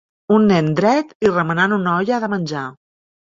Un nen dret i remenant una olla de menjar.